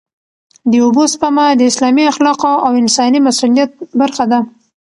د اوبو سپما د اسلامي اخلاقو او انساني مسوولیت برخه ده.